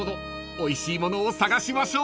おいしいものを探しましょう］